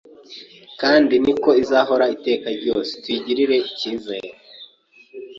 kandi niko izahora iteka ryose. Tuyigirire icyizere.